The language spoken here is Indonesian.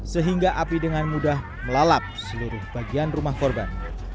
sehingga api dengan mudah melalap seluruh bagian rumah korban